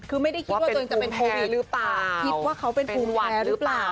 คือไม่ได้คิดว่าตัวเองจะเป็นโควิดหรือเปล่าคิดว่าเขาเป็นภูมิแพ้หรือเปล่า